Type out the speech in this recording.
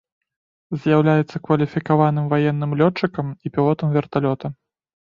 З'яўляецца кваліфікаваным ваенным лётчыкам і пілотам верталёта.